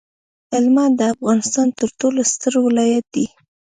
هلمند د افغانستان ترټولو ستر ولایت دی